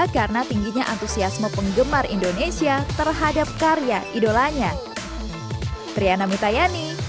karena tingginya antusiasme penggemar indonesia terhadap karya idolanya